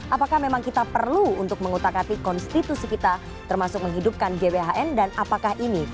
apakah memang kita perlu untuk mengutak atik konstitusi kita termasuk menghidupkan gbhn dan apakah ini